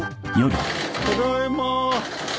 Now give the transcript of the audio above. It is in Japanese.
ただいまー。